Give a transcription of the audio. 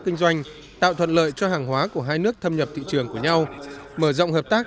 kinh doanh tạo thuận lợi cho hàng hóa của hai nước thâm nhập thị trường của nhau mở rộng hợp tác